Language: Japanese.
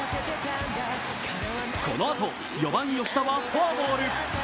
このあと４番・吉田はフォアボール。